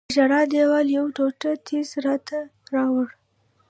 د ژړا دیوال یوه ټوټه تیږه راته راوړه.